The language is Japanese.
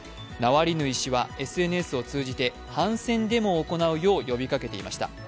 ナワリヌイ氏はＳＮＳを通じて反戦デモを行うよう呼びかけていました。